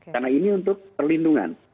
karena ini untuk perlindungan